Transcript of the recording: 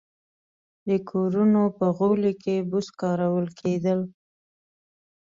د کورونو په غولي کې بوس کارول کېدل